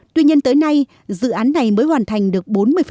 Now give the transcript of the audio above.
tuy nhiên tới nay dự án này mới hoàn thành được bốn mươi